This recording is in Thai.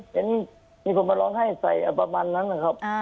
เห็นมีคนมาร้องไห้ใส่ประมาณนั้นนะครับ